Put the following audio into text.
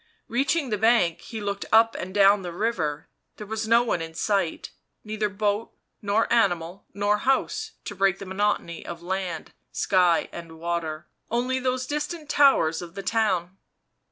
Reaching the bank he looked up and down the river ; there was no one in sight,, neither boat nor animal nor house to break the monotony of land, sky and water, only those distant towers of the town.